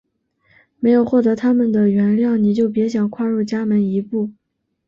没有获得它们的原谅你就别想跨入家门一步！